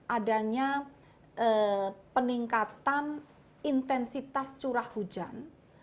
adanya peningkatan intensitas curah hujan